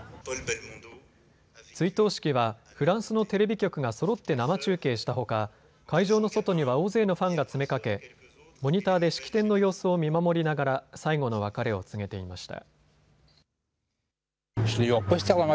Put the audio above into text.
追悼式はフランスのテレビ局がそろって生中継したほか会場の外には大勢のファンが詰めかけ、モニターで式典の様子を見守りながら最後の別れを告げていました。